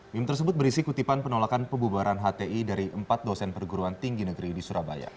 meme tersebut berisi kutipan penolakan pembubaran hti dari empat dosen perguruan tinggi negeri di surabaya